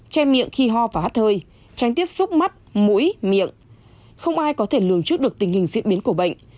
che miệng khi ho và hắt hơi tránh tiếp xúc mắt mũi miệng